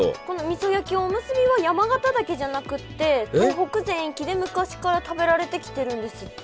このみそ焼きおむすびは山形だけじゃなくって東北全域で昔から食べられてきてるんです。